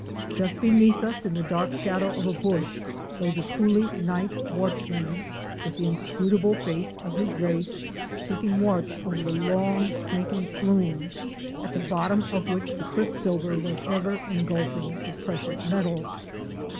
Just beneath us in the dark shadow of a bush lay the coolie night watchman, with the inscrutable face of his race, keeping watch over the long, snaky flume, at the bottom of which the quicksilver was ever engulfing the precious metal.